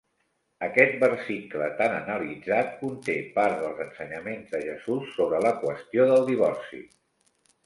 Aquest versicle tan analitzat conté part dels ensenyaments de Jesús sobre la qüestió del divorci.